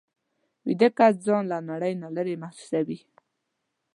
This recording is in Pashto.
ویده کس ځان له نړۍ نه لېرې محسوسوي